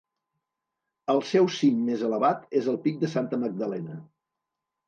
El seu cim més elevat és el Pic de Santa Magdalena.